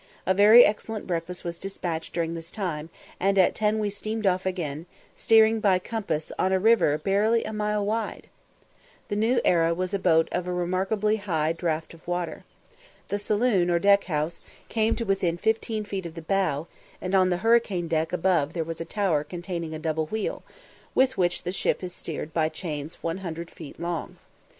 A very excellent breakfast was despatched during this time, and at ten we steamed off again, steering by compass on a river barely a mile wide! The New Era was a boat of a remarkably light draught of water. The saloon, or deck house, came to within fifteen feet of the bow, and on the hurricane deck above there was a tower containing a double wheel, with which the ship is steered by chains one hundred feet long.